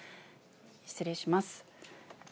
失礼します。